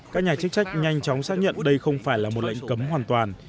các nhà chức trách nhanh chóng xác nhận đây không phải là một lệnh cấm hoàn toàn